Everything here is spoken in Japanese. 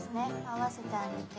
合わせてあげて。